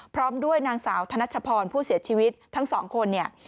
พร้อมด้วยนางสาวธนัชพรผู้เสียชีวิตทั้งสองคนเนี่ย